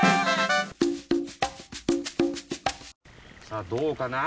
さあどうかな？